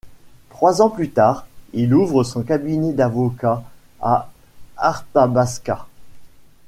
Trois ans plus tard, il ouvre son cabinet d'avocat à Arthabaska.